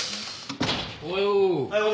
おはよう。